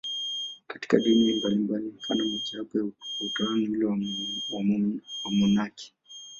Katika dini mbalimbali, mfano mmojawapo wa utawa ni ule wa wamonaki.